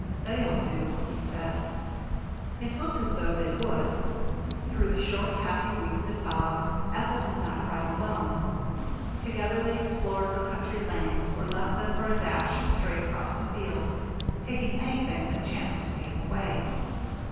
"They'll do," he said. It looked as though they would. Through the short happy weeks that followed, Ethel did not ride alone. Together they explored the country lanes or left them for a dash straight across the fields, taking anything that chanced to be in the way.